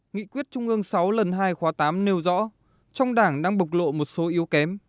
nghị quyết trung ương sáu lần hai khóa tám nêu rõ trong đảng đang bộc lộ một số yếu kém